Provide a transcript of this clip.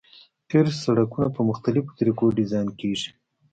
قیر سرکونه په مختلفو طریقو ډیزاین کیږي